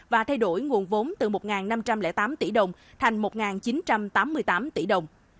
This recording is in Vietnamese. và thay đổi nguồn vốn từ một năm trăm linh tám tỷ đồng thành một chín trăm tám mươi tám tỷ đồng